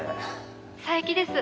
佐伯です。